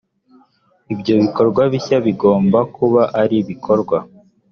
ibyo bikorwa bishya bigomba kuba ari bikorwa